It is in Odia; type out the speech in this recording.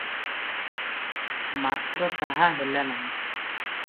ମାତ୍ର ତାହା ହେଲା ନାହିଁ ।